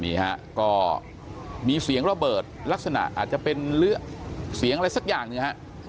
นี่ฮะก็มีเสียงระเบิดลักษณะอาจจะเป็นเสียงอะไรสักอย่างหนึ่งฮะ